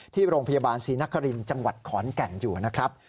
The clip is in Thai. ที่โรงพยาบาลศรีนครินทร์จังหวัดขอนแก่นอยู่นะครับ